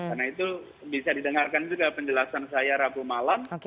karena itu bisa didengarkan juga penjelasan saya rabu malam